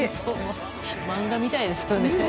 漫画みたいですよね。